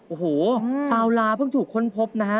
โอ้โหชาวลาเพิ่งถูกค้นพบนะฮะ